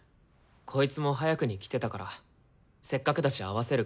こいつも早くに来てたからせっかくだし合わせるかって。